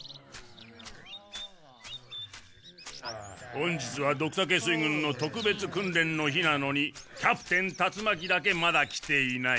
本日はドクタケ水軍の特別訓練の日なのにキャプテン達魔鬼だけまだ来ていない。